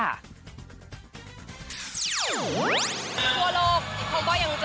กลัวโรคเขาก็ยังเจอปัญหาอยู่นะคะ